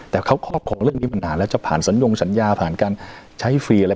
แต่เขาครอบครองเรื่องนี้ปัญหาแล้วจะผ่านสัญญงสัญญาผ่านการใช้ฟรีอะไร